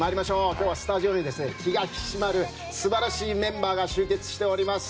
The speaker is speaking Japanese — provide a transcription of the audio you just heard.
今日はスタジオに気が引き締まる素晴らしいメンバーが集結しております。